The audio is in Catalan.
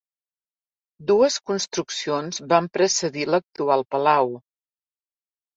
Dues construccions van precedir l'actual palau.